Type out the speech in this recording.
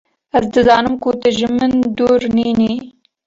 Ez dizanim ku tu ji min dûr nîn î